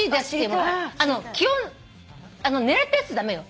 基本狙ったやつ駄目よ。